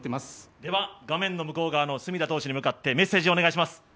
では画面の向こう側の隅田投手に向かってメッセージをお願いします。